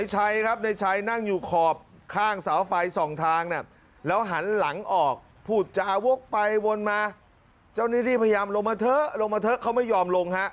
เจ้าหน้าที่พยายามลงมาเถอะลงมาเถอะเขาไม่ยอมลงฮะ